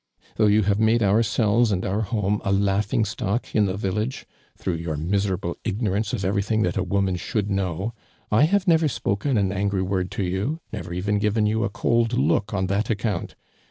Though you have matle ourselves and oui home a laughing stock in the village, through your miserable ignorance of eveiy thing that a woman shoidil know, I have never spoken an angry woid to you, never even given you a cold look on that account.